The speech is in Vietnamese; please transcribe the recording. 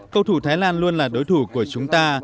cầu thủ thái lan luôn là đối thủ của chúng ta